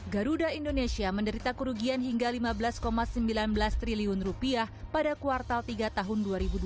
garuda indonesia menderita kerugian hingga rp lima belas sembilan belas triliun pada kuartal tiga tahun dua ribu dua puluh